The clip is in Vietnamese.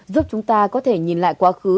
giúp chúng ta có thể nhìn lại quá khứ